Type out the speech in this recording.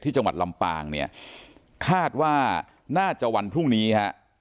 จังหวัดลำปางเนี่ยคาดว่าน่าจะวันพรุ่งนี้ฮะ